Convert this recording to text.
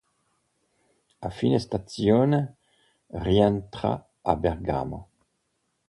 A fine stagione rientra a Bergamo.